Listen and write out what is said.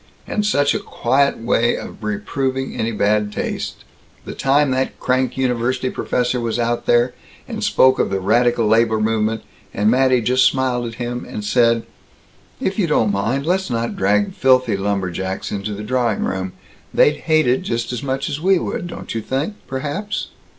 And such a quiet way of reproving any bad taste the time that crank university professor was out there, and spoke of the radical labor movement, and Mattie just smiled at him and said, 'If you don't mind, let's not drag filthy lumberjacks into the drawing room they'd hate it just as much as we would, don't you think, perhaps?'"